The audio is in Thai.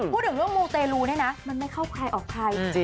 พูดถึงเรื่องมูเตรลูเนี่ยนะมันไม่เข้าใครออกใคร